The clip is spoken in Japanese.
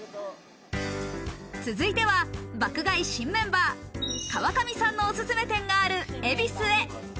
続いては爆買い新メンバー、川上さんのオススメ店がある恵比寿へ。